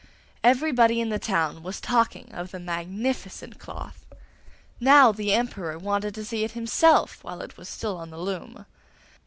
Everybody in the town was talking of the magnificent cloth. Now the Emperor wanted to see it himself while it was still on the loom.